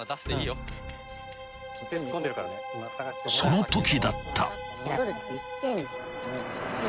［そのときだった］